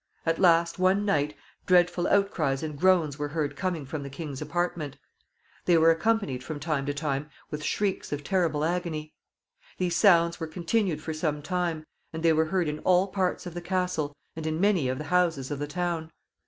At last, one night, dreadful outcries and groans were heard coming from the king's apartment. They were accompanied from time to time with shrieks of terrible agony. These sounds were continued for some time, and they were heard in all parts of the castle, and in many of the houses of the town.